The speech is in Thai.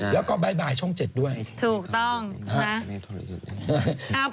แล้วก็บ๊ายบายช่องเจ็ดด้วยถูกต้องใช่ไหม